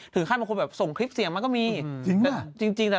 ถึงส่งคลิปเสียงมาก็มาก